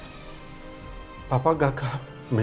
smartphone baru dampak dampaksi mahkamoo